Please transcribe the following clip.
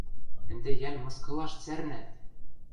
Ӹнде йӓл мыскылаш цӓрнӓт!..